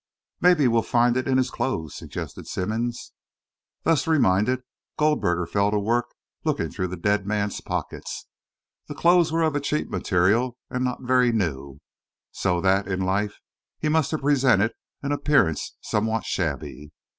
"Maybe we'll find it in his clothes," suggested Simmonds. Thus reminded, Goldberger fell to work looking through the dead man's pockets. The clothes were of a cheap material and not very new, so that, in life, he must have presented an appearance somewhat shabby.